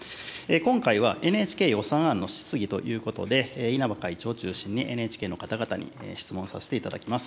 今回は、ＮＨＫ予算案の質疑ということで、稲葉会長を中心に、ＮＨＫの方々に質問させていただきます。